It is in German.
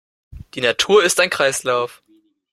Die Natur ist ein Kreislauf.